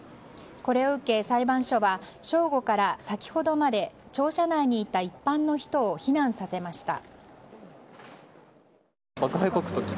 これを受け、裁判所は正午から先ほどまで庁舎内にいた一般の人を避難させました。